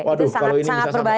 waduh kalau ini bisa sampai terjadi